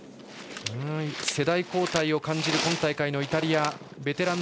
世代交代を感じる今大会のイタリア。